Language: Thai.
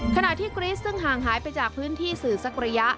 ขณะที่กรีสซึ่งห่างหายไปจากพื้นที่สื่อสักระยะ